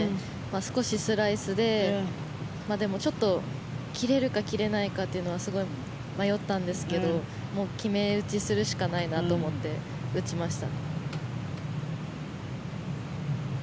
少しスライスででもちょっと切れるか切れないかというのはすごい迷ったんですけどもう決め打ちするしかないなと思って打ちました。